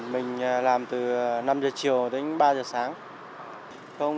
mình làm từ năm giờ chiều đến ba giờ sáng